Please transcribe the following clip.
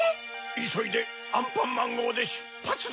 いそいでアンパンマンごうでしゅっぱつだ！